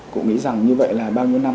cũng nghĩ rằng như vậy là bao nhiêu năm